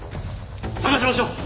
探しましょう！